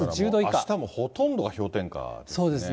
あしたもほとんどが氷点下ですね。